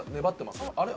あれ？